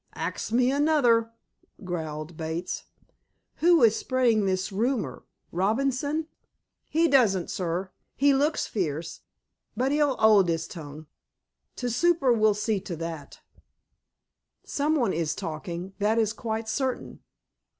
"Ax me another," growled Bates. "Who is spreading this rumor? Robinson?" "'E dussen't, sir. 'E looks fierce, but 'e'll 'old 'is tongue. T'super will see to that." "Someone is talking. That is quite certain."